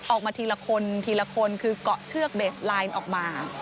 ออกมาทีละคนทีละคนคือเกาะเชือกเบสไลน์ออกมา